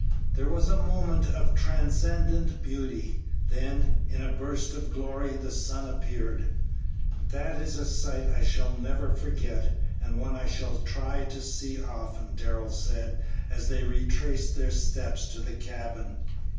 There was a moment of transcendent beauty, then, in a burst of glory, the sun appeared. "That is a sight I shall never forget, and one I shall try to see often," Darrell said, as they retraced their steps to the cabin.